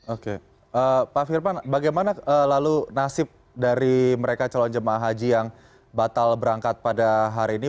oke pak firman bagaimana lalu nasib dari mereka calon jemaah haji yang batal berangkat pada hari ini